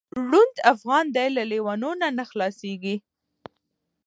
ړوند افغان دی له لېوانو نه خلاصیږي